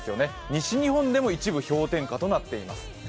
西日本でも一部氷点下となっています。